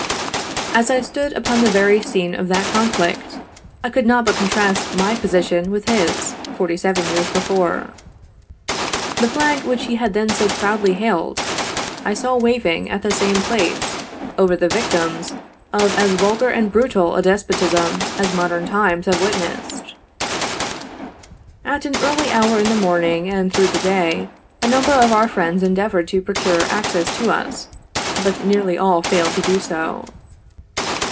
As I stood upon the very scene of that conflict, I could not but contrast my position with his, forty seven years before. The flag which he had then so proudly hailed, I saw waving, at the same place, over the victims of as vulgar and brutal a despotism as modern times have witnessed. At an early hour in the morning, and through the day, a number of our friends endeavored to procure access to us, but nearly all failed to do so.